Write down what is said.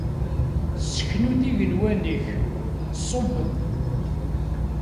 Sseknu-d igenwan-ik, ṣubb-d!